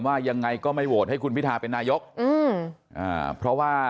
ว่ายังไงก็ไม่โหวตให้คุณพิทาเป็นนายกอืมอ่าเพราะว่า